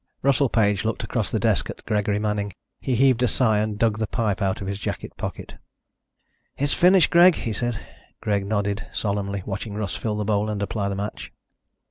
Russell Page looked across the desk at Gregory Manning. He heaved a sigh and dug the pipe out of his jacket pocket. "It's finished, Greg," he said. Greg nodded solemnly, watching Russ fill the bowl and apply the match.